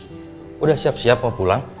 sudah siap siap mau pulang